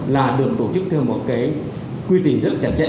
là được tổ chức theo một quy tình rất chặt chẽ